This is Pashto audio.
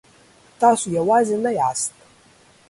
تاسو یوازې نه یاست.